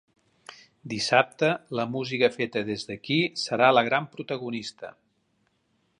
Dissabte, la música feta des d’aquí serà la gran protagonista.